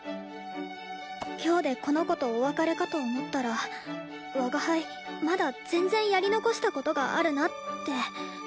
今日でこの子とお別れかと思ったら我が輩まだ全然やり残したことがあるなって。